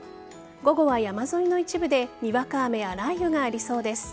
午後は山沿いの一部でにわか雨や雷雨がありそうです。